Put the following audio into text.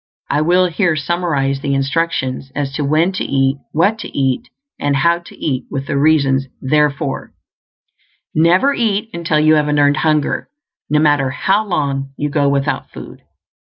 I will here summarize the instructions as to when to eat, what to eat, and how to eat, with the reasons therefor: NEVER eat until you have an EARNED hunger, no matter how long you go without food.